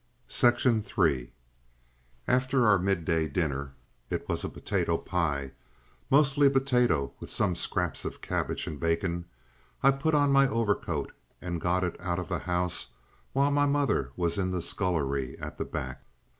§ 3 After our midday dinner—it was a potato pie, mostly potato with some scraps of cabbage and bacon—I put on my overcoat and got it out of the house while my mother was in the scullery at the back.